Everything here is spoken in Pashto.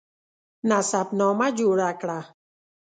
نسب نامه جوړه کړه.